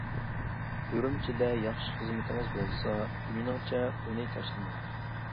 ئۈرۈمچىدە ياخشى خىزمىتىڭىز بولسا مېنىڭچە ئۇنى تاشلىماڭ.